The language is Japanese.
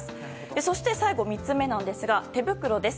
そして最後、３つ目なんですが手袋です。